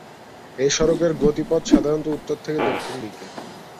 এ সড়কের গতিপথ সাধারনত উত্তর থেকে দক্ষিণ দিকে।